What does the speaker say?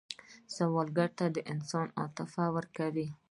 سوالګر ته د انسان عاطفه ورکوئ